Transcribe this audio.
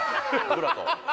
ブラと。